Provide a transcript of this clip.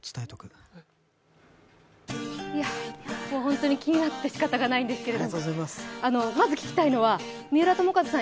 ホントに気になってしかたがないんですけどまず聴きたいのは三浦友和さん